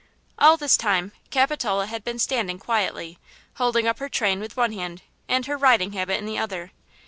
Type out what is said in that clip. All this time, Capitola had been standing quietly, holding up her train with one hand and her riding habit in the other.